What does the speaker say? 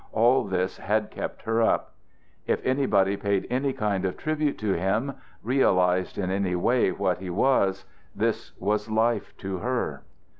All this had kept her up. If anybody paid any kind of tribute to him, realized in any way what he was, this was life to her.